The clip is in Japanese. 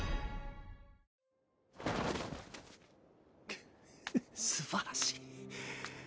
くっふっすばらしい。